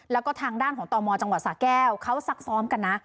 แล้วก็ทางด้านของตมจังหวัดสาแก้วเขาซักซ้อมกันนะ